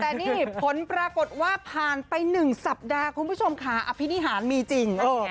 แต่นี่ผลปรากฏว่าผ่านไป๑สัปดาห์คุณผู้ชมค่ะอภินิหารมีจริง